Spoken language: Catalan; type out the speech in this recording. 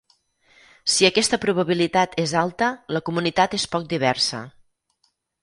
Si aquesta probabilitat és alta, la comunitat és poc diversa.